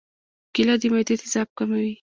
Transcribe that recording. کېله د معدې تیزاب کموي.